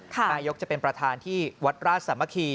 นายกจะเป็นประธานที่วัดราชสามัคคี